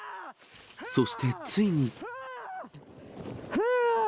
そしてついに。